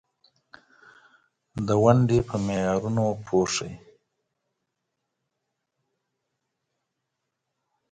په پایله کې به داسې پوځي ځواک ته ورسېږې.